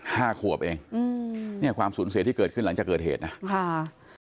ห้าขวบเองอืมเนี่ยความสูญเสียที่เกิดขึ้นหลังจากเกิดเหตุนะค่ะ